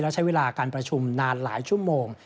แล้วใช้เวลาการประชุมนานหลายชุมโมง